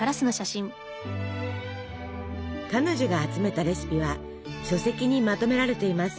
彼女が集めたレシピは書籍にまとめられています。